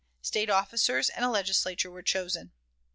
State officers and a Legislature were chosen.